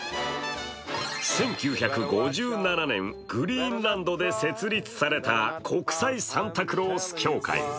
１９５７年グリーンランドで設立された国際サンタクロース協会。